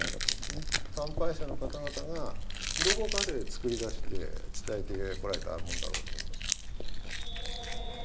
参拝者の方々がどこかでつくり出して伝えてこられたものだろうと思います。